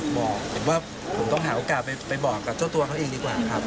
บอกผมว่าผมต้องหาโอกาสไปบอกกับเจ้าตัวเขาเองดีกว่าครับ